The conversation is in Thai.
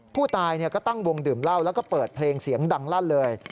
ผู้ตายก็ตั้งวงดื่มเหล้าแล้วก็เปิดเพลงเสียงดังลั่นเลย